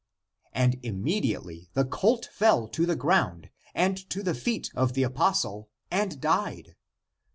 And immediately the colt fell to the ground and to the feet of the apostle and died.